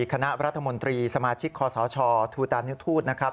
คณะรัฐมนตรีสมาชิกคอสชทูตานุทูตนะครับ